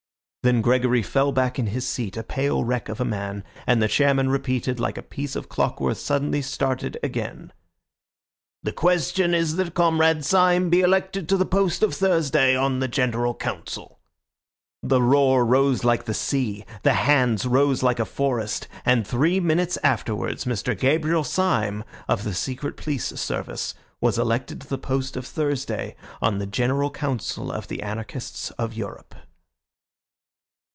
Then Gregory fell back in his seat, a pale wreck of a man, and the chairman repeated, like a piece of clock work suddenly started again— "The question is that Comrade Syme be elected to the post of Thursday on the General Council." The roar rose like the sea, the hands rose like a forest, and three minutes afterwards Mr. Gabriel Syme, of the Secret Police Service, was elected to the post of Thursday on the General Council of the Anarchists of Europe.